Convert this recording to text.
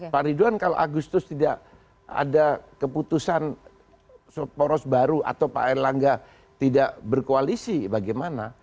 pak ridwan kalau agustus tidak ada keputusan poros baru atau pak erlangga tidak berkoalisi bagaimana